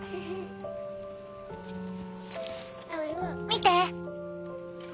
見て。